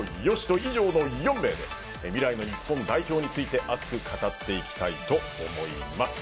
以上の４名で未来の日本代表について熱く語っていきます。